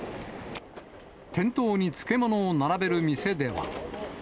店頭に漬物を並べる店では。